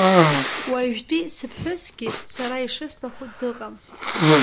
Уажәтәи сыԥҳәысгьы сара ишысҭаху дыҟам.